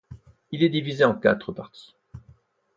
Il est divisé en quatre parties.